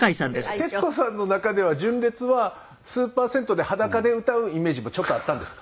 徹子さんの中では純烈はスーパー銭湯で裸で歌うイメージもちょっとあったんですか？